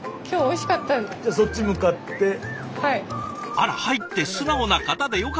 あら「はい」って素直な方でよかった。